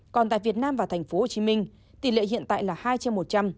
còn tại việt nam và tp hcm tỷ lệ hiện tại là hai trên một trăm linh